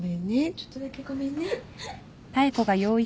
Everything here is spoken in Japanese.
ちょっとだけごめんね。